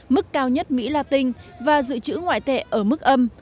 mức cao nhất mỹ latin và dự trữ ngoại tệ ở mức âm